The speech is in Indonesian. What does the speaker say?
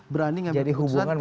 berani mengambil keputusan